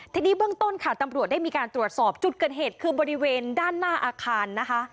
ทีนี้เบื้องต้นค่ะตำรวจได้มีการตรวจสอบจุดเกิดเหตุคือบริเวณด้านหน้าอาคารนะคะ